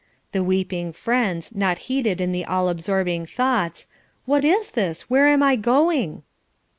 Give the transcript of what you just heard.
the weeping friends, not heeded in the all absorbing thoughts, "What is this? Where am I going?"